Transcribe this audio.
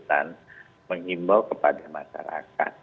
dan mengimbau kepada masyarakat